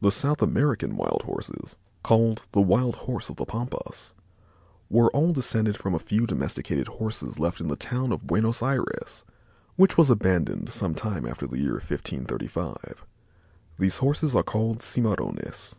The South American wild Horses, called "the wild Horse of the Pampas," were all descended from a few domesticated Horses left in the town of Buenos Ayres, which was abandoned some time after the year 1535. These Horses are called cimarrones.